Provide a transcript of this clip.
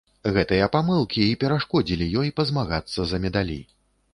Гэтыя памылкі і перашкодзілі ёй пазмагацца за медалі.